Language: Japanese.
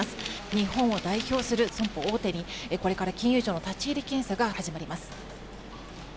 日本を代表する損保大手にこれから金融庁の立ち入り検査が始まります。